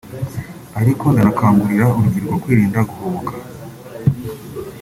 ariko ndanakangurira urubyiruko kwirinda guhubuka